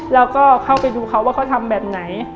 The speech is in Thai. แล้วก็เข้าไปดูเขาว่าเขาทำแบบไหน